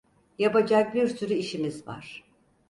Yapacak bir sürü işimiz var.